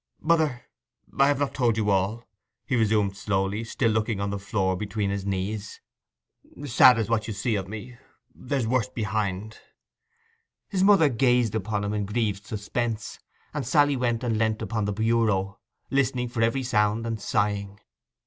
'Mother, I have not told you all,' he resumed slowly, still looking on the floor between his knees. 'Sad as what you see of me is, there's worse behind.' His mother gazed upon him in grieved suspense, and Sally went and leant upon the bureau, listening for every sound, and sighing.